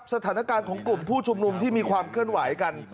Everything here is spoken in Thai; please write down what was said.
สถานการณ์ของกลุ่มผู้ชุมนุมที่มีความเคลื่อนไหวกัน